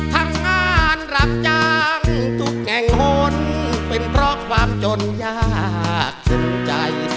ทำงานรับจ้างทุกแก่งหนเป็นเพราะความจนยากสิ้นใจ